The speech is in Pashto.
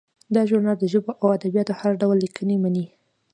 دا ژورنال د ژبو او ادبیاتو هر ډول لیکنې مني.